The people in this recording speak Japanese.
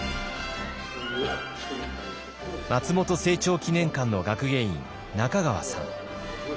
松本清張記念館の学芸員中川さん。